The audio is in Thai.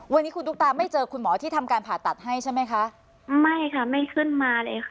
วันนี้คุณดุคตาไม่เจอคุณหมอที่ทำการผ่าตัดให้ใช่ไหมคะ